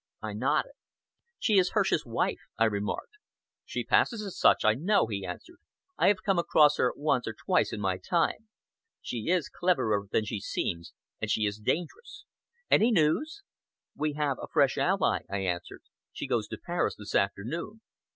I nodded. "She is Hirsch's wife," I remarked. "She passes as such, I know," he answered. "I have come across her once or twice in my time. She is cleverer than she seems, and she is dangerous. Any news?" "We have a fresh ally," I answered. "She goes to Paris this afternoon."